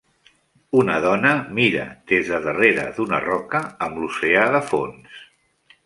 Una dona mira des de darrere d'una roca amb l'oceà de fons.